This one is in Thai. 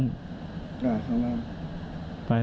กาข้างล่าง